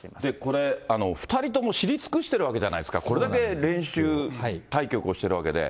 これ、２人とも知り尽くしてるわけじゃないですか、これだけ練習対局をしているわけで。